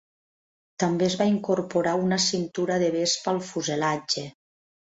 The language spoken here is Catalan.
També es va incorporar una "cintura de vespa" al fuselatge.